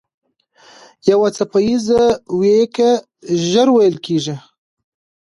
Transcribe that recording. یو څپه ایز ويیکی ژر وېل کېږي.